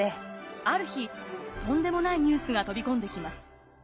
ある日とんでもないニュースが飛び込んできます。